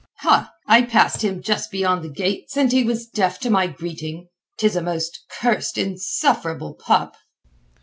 "Ha. I passed him just beyond the gates, and he was deaf to my greeting. 'Tis a most cursed insufferable pup."